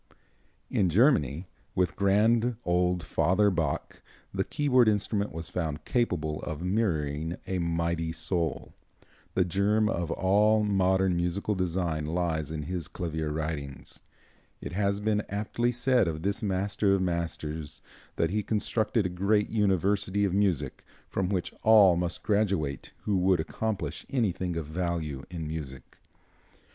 In Germany, with grand old Father Bach, the keyboard instrument was found capable of mirroring a mighty soul. The germ of all modern musical design lies in his clavier writings. It has been aptly said of this master of masters that he constructed a great university of music, from which all must graduate who would accomplish anything of value in music.